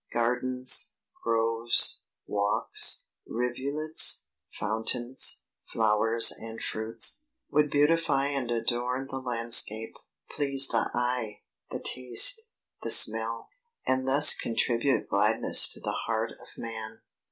Gardens, groves, walks, rivulets, fountains, flowers and fruits, would beautify and adorn the landscape, please the eye, the taste, the smell; and thus contribute gladness to the heart of man.